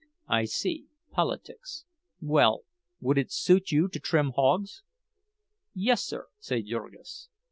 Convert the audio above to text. "I see—politics. Well, would it suit you to trim hogs?" "Yes, sir," said Jurgis.